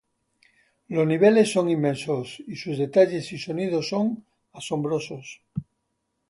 Los niveles son inmensos y sus detalles y sonido son asombrosos.